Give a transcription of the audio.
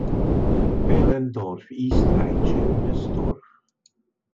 Behlendorf ist ein „schönes Dorf“.